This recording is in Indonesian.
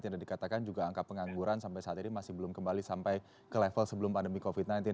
dan dikatakan juga angka pengangguran sampai saat ini masih belum kembali sampai ke level sebelum pandemi covid sembilan belas